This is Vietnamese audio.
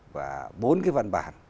và bốn cái văn bản